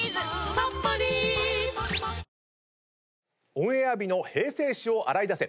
オンエア日の平成史を洗い出せ。